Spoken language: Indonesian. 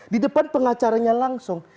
di depan pengacaranya langsung